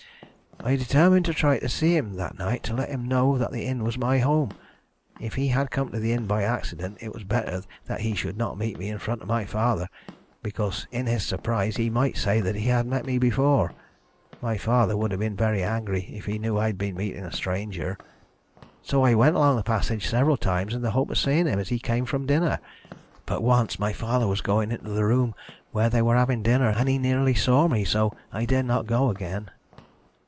"I determined to try and see him that night to let him know that the inn was my home. If he had come to the inn by accident it was better that he should not meet me in front of my father, because in his surprise he might say that he had met me before. My father would have been very angry if he knew I had been meeting a stranger. So I went along the passage several times in the hope of seeing him as he came from dinner. But once my father was going into the room where they were having dinner, and he nearly saw me, so I dared not go again.